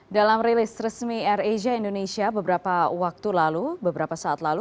dalam rilis resmi air asia indonesia beberapa waktu lalu beberapa saat lalu